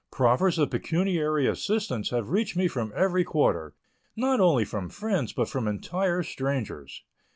Proffers of pecuniary assistance have reached me from every quarter, not only from friends, but from entire strangers.